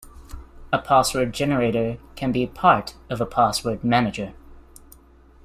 A password generator can be part of a password manager.